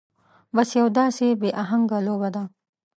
بس يو داسې بې اهنګه لوبه ده.